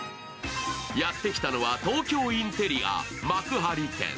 やってきたのは東京インテリア幕張店。